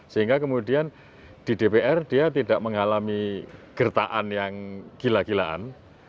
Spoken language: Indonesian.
sehingga kemudian di dpr dia tidak mengalami gertaan yang gila gilaan